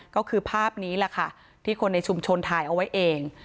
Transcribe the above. ก็คือภาพนี้แหละค่ะที่คนในชุมชนถ่ายเอาไว้เอง